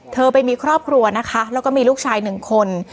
เธอไปมีครอบครัวนะคะแล้วก็มีลูกชายหนึ่งคน